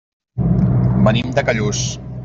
Venim de Callús.